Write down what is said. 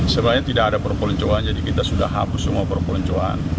sebenarnya tidak ada perpeloncoan jadi kita sudah hapus semua perpeloncoan